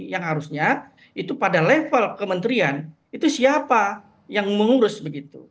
yang harusnya itu pada level kementerian itu siapa yang mengurus begitu